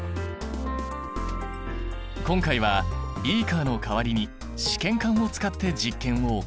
今回はビーカーの代わりに試験管を使って実験を行った。